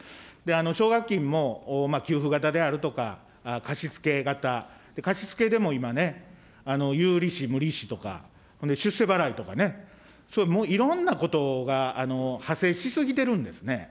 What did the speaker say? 奨学金も給付型であるとか貸し付け型、貸し付けでも今ね、有利子、無利子とか出世払いとかね、そういういろんなことが派生しすぎてるんですね。